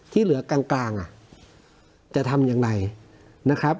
ที่เหลือกลางกลางอ่ะจะทำยังไงนะครับ